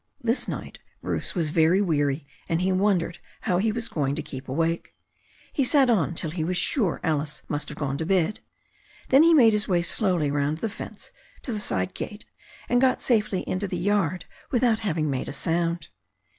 This night Bruce was very weary, and he wondered how he was going to keep awake. He sat on till he was sure Alice must have gone to bed. Then he made his way slowly round the fence to the side gate and got safely into the yard without having made a sound.